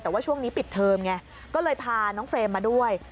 แต่ว่าช่วงนี้ปิดเทอมไงก็เลยพาน้องเฟรมมาด้วย